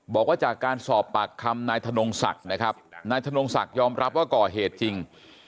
บอกว่าจากการสอบปากคำนายธนงศักดิ์นะครับนายธนงศักดิ์ยอมรับว่าก่อเหตุจริง